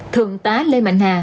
thượng tá lê mạnh hà